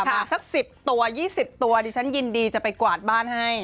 มาสัก๑๐ตัว๒๐ตัวดิฉันยินดีจะไปกวาดบ้านให้